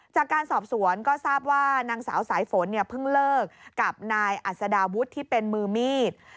จากการสอบสวนก็ทราบว่านางสาวสายฝนเนี่ยเพิ่งเลิกกับนายอัศดาวุฒิที่เป็นมือมีด